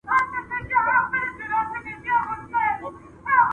دربار به نه وای په حجرو کي ..